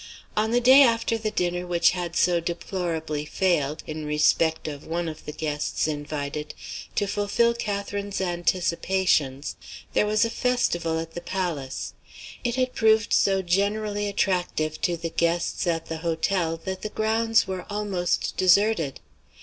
On the day after the dinner which had so deplorably failed, in respect of one of the guests invited, to fulfill Catherine's anticipations, there was a festival at the Palace. It had proved so generally attractive to the guests at the hotel that the grounds were almost deserted.